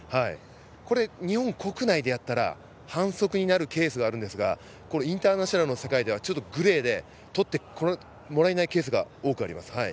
日本国内でやったら反則になるケースがあるんですがインターナショナルの世界ではグレーでとってもらえないケースが多くあります。